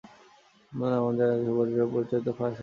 নাম না জানা সুপারহিরোর পরিচয় তো ফাঁস হয়ে যাবে তাহলে।